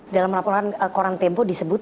dalam laporan koran tempo disebut